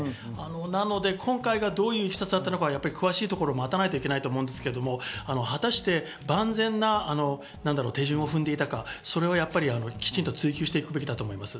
なので今回どういういきさつだったか、詳しいところを待たないといけないと思うんですけど、果たして万全な手順を踏んでいたか、きちんと追求していくべきだと思います。